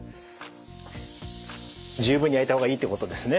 十分に焼いた方がいいということですね。